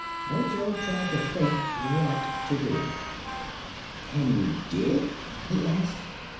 Ojo tried to think what to do. "Can you dig?" he asked.